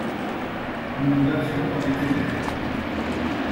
Nous nous battions dans les ténèbres.